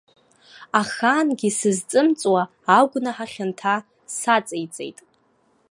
Ахаангьы сызҵымҵуа агәнаҳа хьанҭа саҵеиҵеит.